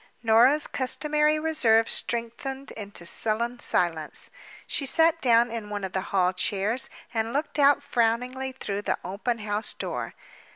Norah's customary reserve strengthened into sullen silence—she sat down in one of the hall chairs and looked out frowningly through the open house door.